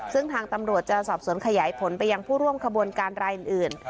ซึ่งทางตำรวจจะสอบสวนขยายผลไปยังผู้ร่วมขบวนการรายอื่น